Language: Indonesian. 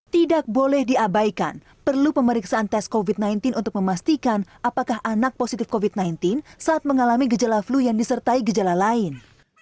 tidak boleh diabaikan perlu pemeriksaan tes covid sembilan belas untuk memastikan apakah anak positif covid sembilan belas saat mengalami gejala flu yang disertai gejala lain